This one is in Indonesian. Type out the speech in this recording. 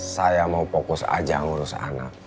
saya mau fokus aja ngurus anak